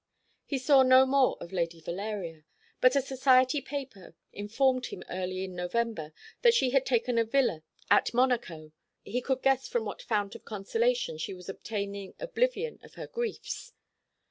He saw no more of Lady Valeria; but a society paper informed him early in November that she had taken a villa at Monaco. He could guess from what fount of consolation she was obtaining oblivion of her griefs.